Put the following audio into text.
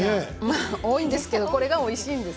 多いんですけれどこれが、おいしいんです。